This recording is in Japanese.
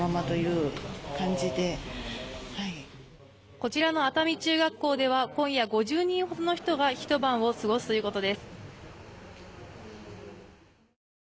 こちらの熱海中学校では今夜５０人ほどの人がひと晩を過ごすということです。